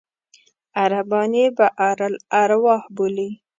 عربان یې بئر الأرواح بولي.